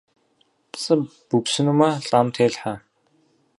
ПцIы бупсынумэ лIам телъхьэ.